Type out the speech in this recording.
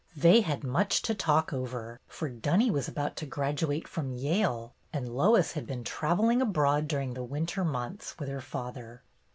They had much to talk over, for Dunny was about to graduate from Yale, and Lois had been travel ling abroad during the winter months, with her father.